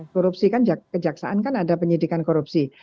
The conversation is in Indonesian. korupsi kan kejaksaan kan ada penyidikan korupsi